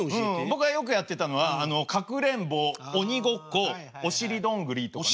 僕がよくやってたのはかくれんぼ鬼ごっこお尻どんぐりとかね。